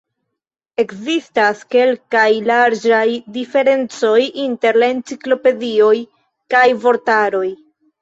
Ekzistas kelkaj larĝaj diferencoj inter enciklopedioj kaj vortaroj.